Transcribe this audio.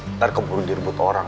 ntar keburu direbut orang